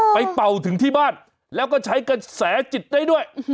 เป่าถึงที่บ้านแล้วก็ใช้กระแสจิตได้ด้วย